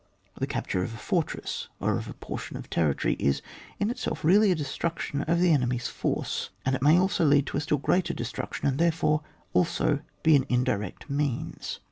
The capture of a fortress *or of a portion of territory, is in itself really a destmc tion of the enemy's force, and it may also lead to a still greater destruction, and thereforoi also, be an indirect means.